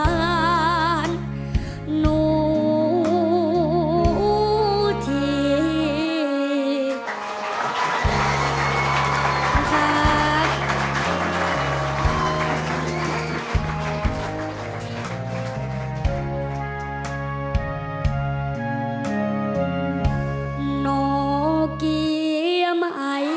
กราบร่วงอุตโตพมลังสีที่วัดระคังวันสะคน